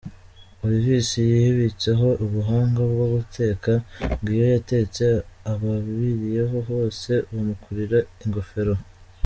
Olivis : Yibitseho ubuhanga bwo guteka, ngo iyo yatetse, ababiriyeho bose bamukurira ingofero.